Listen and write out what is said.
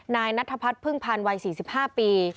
นายนัทพัฒน์พึ่งพันธ์วัย๔๕ปี